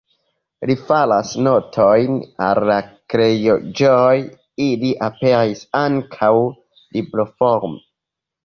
Li faras notojn al la kreaĵoj, ili aperis ankaŭ libroforme.